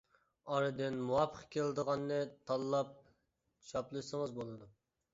ئارىدىن مۇۋاپىق كېلىدىغاننى تاللاپ چاپلىسىڭىز بولىدۇ.